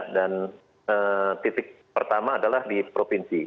dan titik pertama adalah di provinsi